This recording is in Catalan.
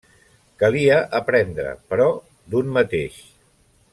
Calia aprendre, però, d'un mateix.